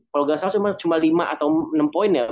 kalau nggak salah cuma lima atau enam poin ya